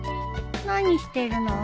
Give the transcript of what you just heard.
何してるの？